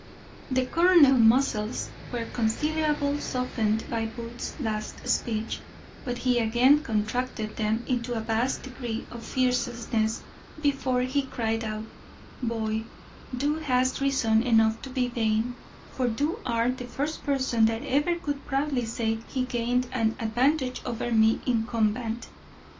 The colonel's muscles were considerably softened by Booth's last speech; but he again contracted them into a vast degree of fierceness before he cried out "Boy, thou hast reason enough to be vain; for thou art the first person that ever could proudly say he gained an advantage over me in combat.